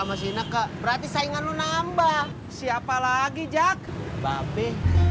masih enak ke berarti saingan lu nambah siapa lagi jack babi